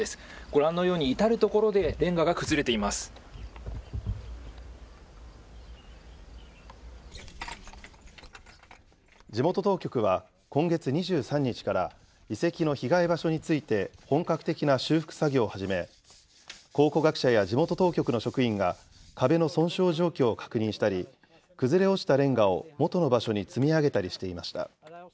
ご覧のように、至る所でレンガが地元当局は、今月２３日から遺跡の被害場所について本格的な修復作業を始め、考古学者や地元当局の職員が壁の損傷状況を確認したり、崩れ落ちたレンガをもとの場所に積み上げたりしていました。